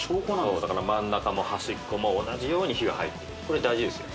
そうだから真ん中も端っこも同じように火が入ってるこれ大事ですよ